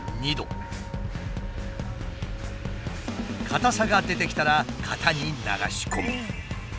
硬さが出てきたら型に流し込む。